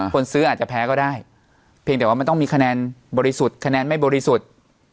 คนซื้ออาจจะแพ้ก็ได้เพียงแต่ว่ามันต้องมีคะแนนบริสุทธิ์คะแนนไม่บริสุทธิ์